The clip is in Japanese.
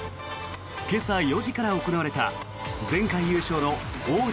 今朝４時から行われた前回優勝の王者